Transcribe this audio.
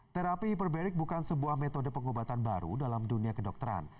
terapi hiperberik bukan sebuah metode pengobatan baru dalam dunia kedokteran